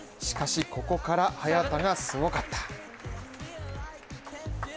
しかし、ここから早田がすごかった。